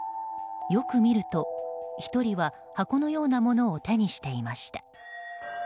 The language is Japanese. よく見ると、１人は箱のようなものを手にしていました。